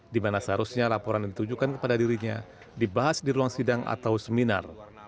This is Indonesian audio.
di mana seharusnya laporan yang ditujukan kepada dirinya dibahas di ruang sidang atau seminar